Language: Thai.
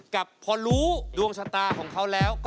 กับพอรู้ดวงชะตาของเขาแล้ว